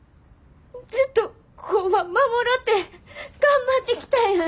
ずっと工場守ろうって頑張ってきたやん。